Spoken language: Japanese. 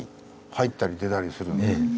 入ったり出たりするんですね。